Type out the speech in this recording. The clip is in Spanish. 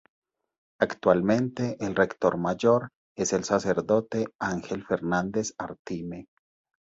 Actualmente el Rector Mayor es el sacerdote Ángel Fernández Artime.